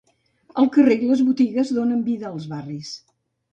El carrer i les botigues donen vida als barris.